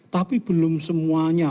tapi belum semuanya